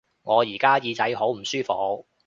我而家耳仔好唔舒服